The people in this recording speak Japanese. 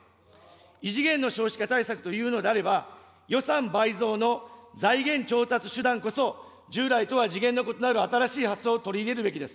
異次元の少子化対策というのであれば、予算倍増の財源調達手段こそ従来とは次元の異なる新しい発想を取り入れるべきです。